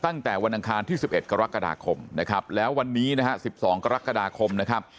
ตั้งแต่วันอังคารที่๑๑กรกฎาคมนะครับแล้ววันนี้นะฮะ๑๒กรกฎาคมนะครับ